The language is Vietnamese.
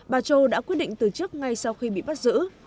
bà châu đã quyết định từ chức ngay sau khi bị bắt giữ